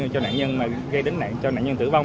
cho nạn nhân tử vong